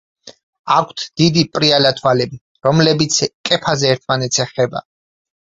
აქვთ დიდი, პრიალა თვალები, რომლებიც კეფაზე ერთმანეთს ეხება.